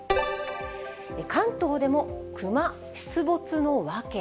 関東でもクマ出没の訳。